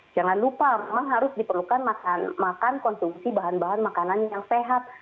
jangan lupa memang harus diperlukan makan konsumsi bahan bahan makanan yang sehat